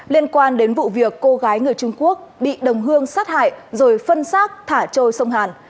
liên quan đến vụ việc cô gái người trung quốc bị đồng hương sát hại rồi phân xác thả trôi sông hàn